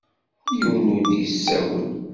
Yiwen ur d-yessawel.